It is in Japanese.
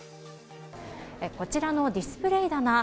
こちらのディスプレー棚